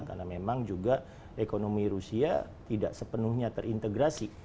karena memang juga ekonomi rusia tidak sepenuhnya terintegrasi